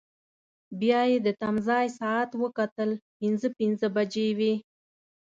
بیا مې د تمځای ساعت وکتل، پنځه پنځه بجې وې.